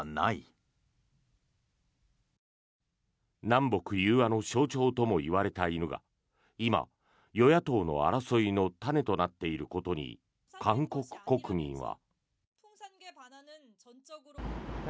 南北融和の象徴ともいわれた犬が今、与野党の争いの種となっていることに韓国国民は。